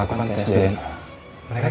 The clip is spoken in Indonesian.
persoalan satu belum keluar